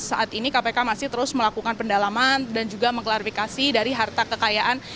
saat ini kpk masih terus melakukan pendalaman dan juga mengklarifikasi dari harta kekayaan